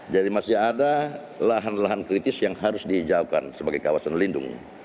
jadi masih ada lahan lahan kritis yang harus diijaukan sebagai kawasan lindung